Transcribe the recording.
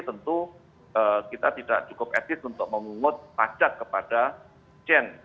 tentu kita tidak cukup etis untuk memungut pajak kepada gen